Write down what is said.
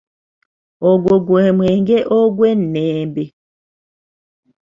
Ogwo gwe mwenge ogw'ennembe.